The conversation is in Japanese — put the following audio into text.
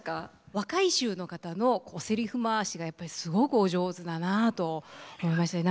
若い衆の方のせりふ回しがやっぱりすごくお上手だなと思いましたね。